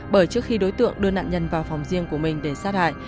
bởi trước khi đối tượng đưa nạn nhân vào phòng riêng của mình để sát hại